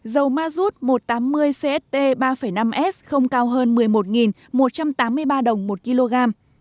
dầu mazut một trăm tám mươi cst ba năm s không cao hơn một mươi một một trăm tám mươi ba đồng một kg